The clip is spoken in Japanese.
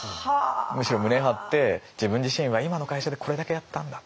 むしろ胸張って自分自身は今の会社でこれだけやったんだ。